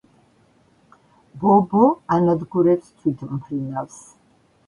ბო-ბო ანადგურებს თვითმფრინავს.